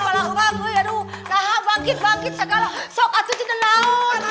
naha bangkit bangkit segala sokak itu tidak naur